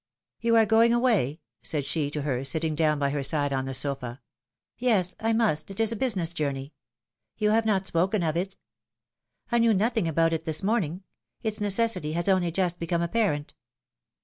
^^You are going away?^^ said she to her, sitting down by her side on the sofa. Yes ! I must ; it is a business journey.^' You have not spoken of it ! ^^I knew nothing about it this morning; its necessity has only just become apparent.